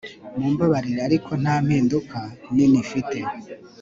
mumbabarire, ariko nta mpinduka nini mfite